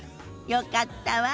よかったわ。